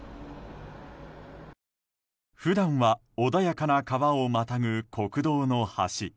普段は穏やかな川をまたぐ国道の橋。